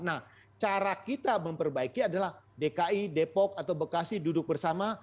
nah cara kita memperbaiki adalah dki depok atau bekasi duduk bersama